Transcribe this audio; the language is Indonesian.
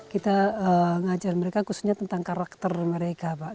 kita mengajar mereka khususnya tentang karakter mereka pak